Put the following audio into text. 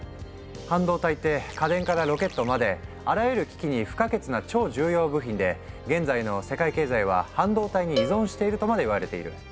半導体って家電からロケットまであらゆる機器に不可欠な超重要部品で「現在の世界経済は半導体に依存している」とまで言われている。